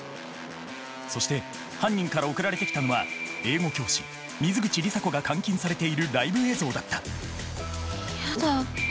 そして犯人から送られてきたのは英語教師水口里紗子が監禁されているライブ映像だったやだ。